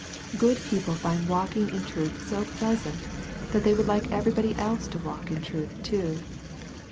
Good people find walking in truth so pleasant, that they would like everybody else to walk in truth too.